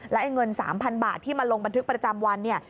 ไอ้เงิน๓๐๐๐บาทที่มาลงบันทึกประจำวันเนี่ย